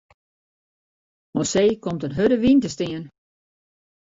Oan see komt in hurde wyn te stean.